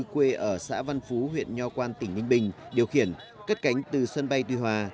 quê ở xã văn phú huyện nho quan tỉnh ninh bình điều khiển cất cánh từ sân bay tuy hòa